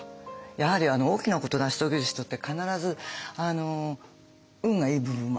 やはり大きなこと成し遂げる人って必ず運がいい部分もあるんだな。